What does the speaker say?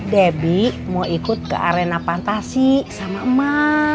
debbie mau ikut ke arena fantasi sama emak